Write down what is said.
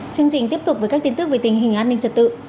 chương trình tiếp tục với các tin tức về tình hình an ninh trật tự